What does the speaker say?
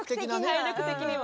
体力的には。